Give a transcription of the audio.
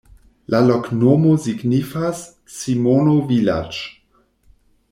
La loknomo signifas: Simono-vilaĝ'.